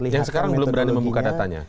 yang sekarang belum berani membuka datanya